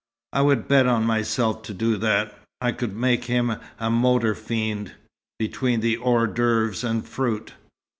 "I would bet on myself to do that. I could make him a motor fiend, between the hors d'oeuvres and fruit."